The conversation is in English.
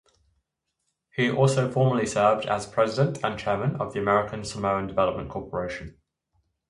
He also formerly served as president and chairman of the American Samoan Development Corporation.